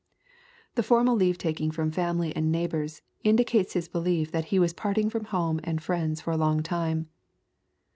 The formal leave taking from family and neighbors indicates his belief that he was part ing from home and friends for a long time.